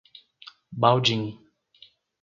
Baldim